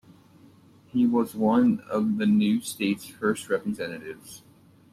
He was one of the new state's first representatives.